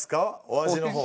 お味の方。